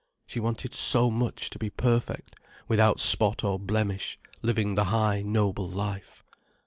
She wanted so much to be perfect—without spot or blemish, living the high, noble life.